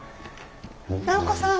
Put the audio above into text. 尚子さん